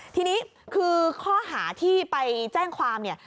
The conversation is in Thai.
ทีนี้คือข้อหาที่ไปแจ้งความเนี่ย